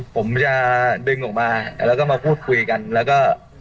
ผมจะดึงออกมาแล้วก็มาพูดคุยกันแล้วก็